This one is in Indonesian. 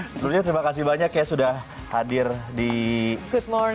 sebelumnya terima kasih banyak ya sudah hadir di good morning